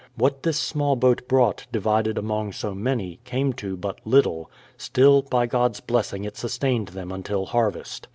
What this small boat brought, divided among so many, came to but little ; still, by God's blessing it sustained them until harvest.